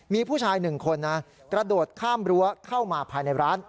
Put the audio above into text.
มีผู้ชายหนึ่งคนนะกระโดดข้ามรั้วเข้ามาภายในร้าน